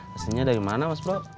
pesannya dari mana mas bro